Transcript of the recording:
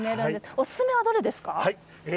おすすめは何ですか？